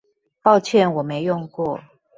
抱歉我沒用過